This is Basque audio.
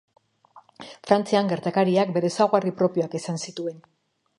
Frantzian gertakariak bere ezaugarri propioak izan zituen.